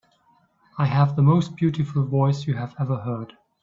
I have the most beautiful voice you have ever heard.